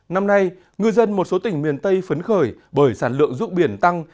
năm nay ngư dân một số tỉnh miền tây phấn khởi bởi sản lượng ruốc biển tăng